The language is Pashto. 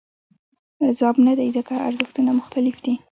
ځواب نه دی ځکه ارزښتونه مختلف دي.